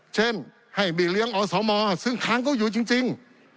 เช่นให้บีเลี้ยงอสมซึ่งค้างเขาอยู่จริง